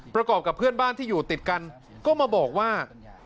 ประกอบกับเพื่อนบ้านที่อยู่ติดกันก็มาบอกว่า